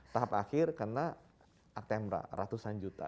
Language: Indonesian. tahap akhir kena aktemra ratusan juta